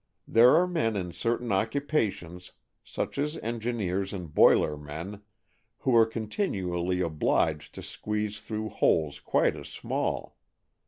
There are men in certain occupations, such as engineers and boiler men, who are continually obliged to squeeze through holes quite as small.